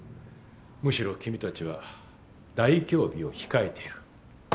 むしろ君たちは大凶日を控えている。